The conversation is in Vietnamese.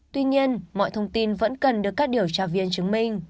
tuy nhiên mọi thông tin vẫn cần được các điều tra viên chứng minh